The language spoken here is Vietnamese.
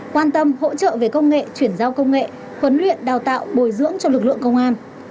quan tâm hỗ trợ về công nghệ chuyển giao công nghệ huấn luyện đào tạo bồi dưỡng cho lực lượng công an